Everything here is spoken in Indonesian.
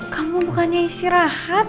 kamu bukannya isi rahat